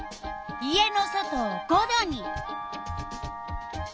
家の外を５℃に。